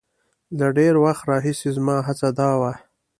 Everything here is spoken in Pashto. له ډېر وخت راهیسې زما هڅه دا وه.